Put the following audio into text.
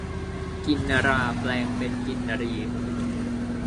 กินนราแปลงเป็นกินนรี